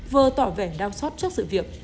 vừa tỏ vẻ đau xót trước sự việc